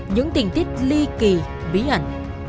những tình tiết ly kỳ bí ẩn